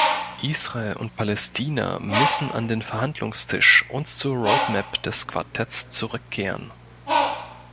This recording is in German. Israel und Palästina müssen an den Verhandlungstisch und zur Roadmap des Quartetts zurückkehren.